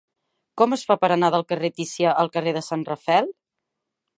Com es fa per anar del carrer de Ticià al carrer de Sant Rafael?